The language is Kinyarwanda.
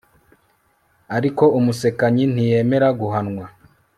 ariko umusekanyi ntiyemera guhanwa